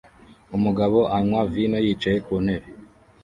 Umugabo anywa vino yicaye ku ntebe